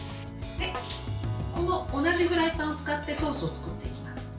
この同じフライパンを使ってソースを作っていきます。